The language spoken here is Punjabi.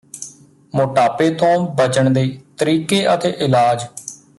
ਮੋਟਾਪੇ ਤੋਂ ਬਚਣ ਦੇ ਤਰੀਕੇ ਅਤੇ ਇਲਾਜ